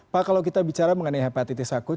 pak kalau kita bicara mengenai hepatitis akut